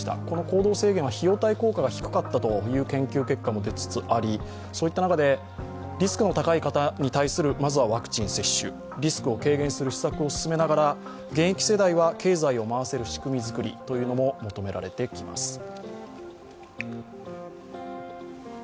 この行動制限は費用対効果が低かったという研究結果も出つつあり、そういった中で、リスクの高い方に対するまずはワクチン接種、リスクを軽減する施策を進めながら現役世代は経済を回せる仕組み作りも求められてきます。